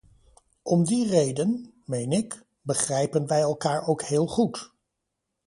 Om die reden, meen ik, begrijpen wij elkaar ook heel goed.